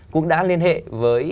cũng đã liên hệ với